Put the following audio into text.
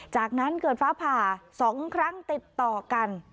จากนั้นเกิดฟ้าผ่า๒ครั้งติดต่อกัน